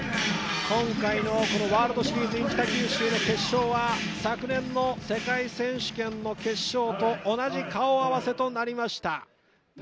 今回のワールドシリーズｉｎ北九州で昨年の世界選手権と同じ顔合わせとなりました。